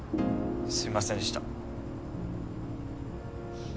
すみませんでした。